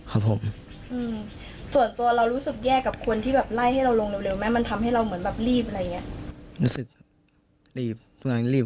รู้สึกยังรีบ